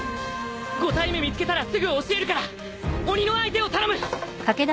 ５体目見つけたらすぐ教えるから鬼の相手を頼む！